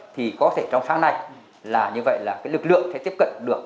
thì có thể trong sáng nay là như vậy là cái lực lượng sẽ tiếp cận được